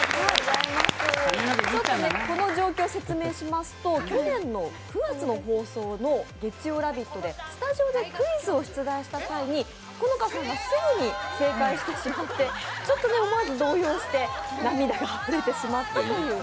この状況を説明しますと、去年９月の放送の月曜「ラヴィット！」でスタジオでクイズをした際に好花さんがすぐに正解してしまって、ちょっとね、思わず動揺して涙ぐんでしまったという。